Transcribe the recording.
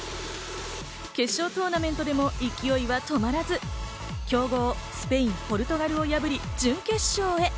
決勝トーナメントでも勢いは止まらず、強豪・スペイン、ポルトガルを破り、準決勝へ。